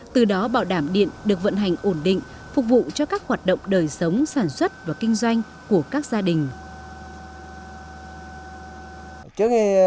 từ đó bảo đảm điện được vận hành ổn định phục vụ cho các hoạt động đời sống sản xuất và kinh doanh của các gia đình